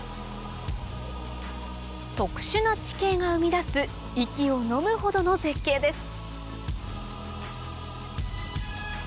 特殊な地形が生み出す息をのむほどの絶景です